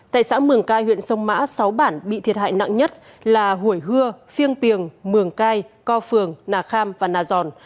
tại xã mường cai huyện sông mã sáu bản bị thiệt hại nặng nhất là hủy hưa phiêng piềng mường cai co phường nà kham và nà giòn